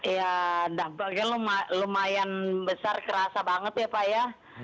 ya dampaknya lumayan besar kerasa banget ya pak ya